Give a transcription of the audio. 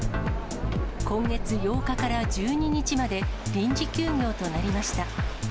今月８日から１２日まで、臨時休業となりました。